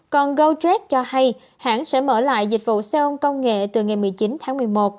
còn gojob cho hay hãng sẽ mở lại dịch vụ xe ôm công nghệ từ ngày một mươi chín một mươi một